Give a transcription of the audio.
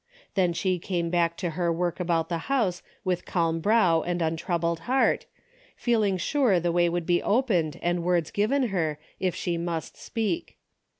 Then she came back to her work about the house with calm brow and untroubled heart, feeling sure the way would be opened and words given her, if she must speak.